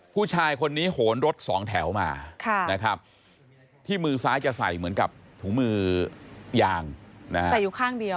ผู้ชายคนนี้โหนรถสองแถวมาที่มือซ้ายจะใส่เหมือนกับถุงมือยางนะฮะ